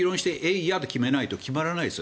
いやで決めないと決まらないです。